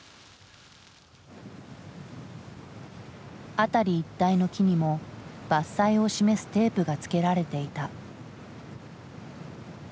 辺り一帯の木にも伐採を示すテープが付けられていた。